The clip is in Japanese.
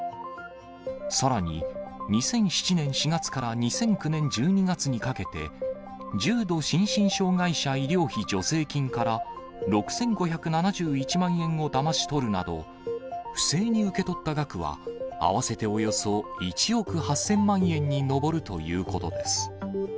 さらに、２００７年４月から２００９年１２月にかけて、重度心身障がい者医療費助成金から６５７１万円をだまし取るなど、不正に受け取った額は、合わせておよそ１億８０００万円に上るということです。